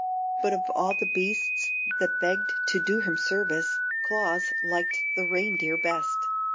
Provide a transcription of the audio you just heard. But of all the beasts that begged to do him service, Claus liked the reindeer best.